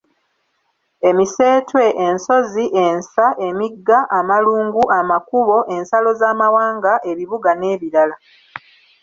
Emiseetwe, ensozi, ensa, emigga, amalungu, amakubo, ensalo z'amawanga, ebibuga n'ebirala.